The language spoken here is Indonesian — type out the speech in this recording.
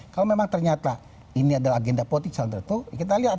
kalau memang ternyata ini adalah agenda politik calon tertentu kita lihat